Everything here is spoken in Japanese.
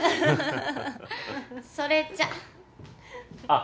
それじゃあ。